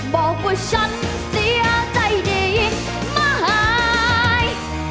บอกว่าฉันเสียใจดีอีกมั้ย